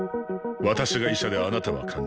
私が医者であなたは患者。